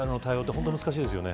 本当に難しいですよね。